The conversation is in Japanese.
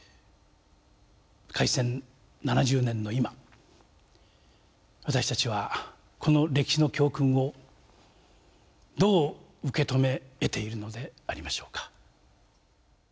開戦７０年の今私たちはこの歴史の教訓をどう受け止めえているのでありましょうか。